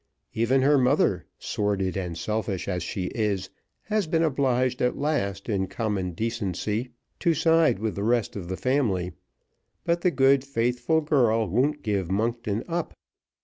Even her mother, sordid and selfish as she is, has been obliged at last, in common decency, to side with the rest of the family; but the good, faithful girl won't give Monkton up.